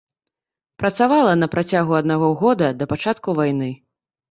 Працавала на працягу аднаго года да пачатку вайны.